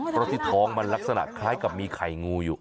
เพราะที่ท้องมันลักษณะคล้ายกับมีไข่งูอยู่